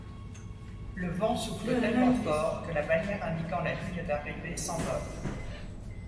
Le vent souffle tellement fort en que la bannière indiquant la ligne d'arrivée s'envole.